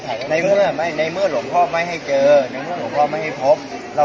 สวัสดีครับพี่เบนสวัสดีครับ